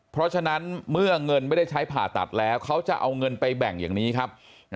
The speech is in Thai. เพราะฉะนั้นเมื่อเงินไม่ได้ใช้ผ่าตัดแล้วเขาจะเอาเงินไปแบ่งอย่างนี้ครับ